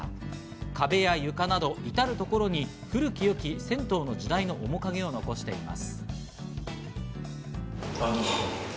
壁や床など、いたるところに古き良き銭湯の時代の面影を残しています。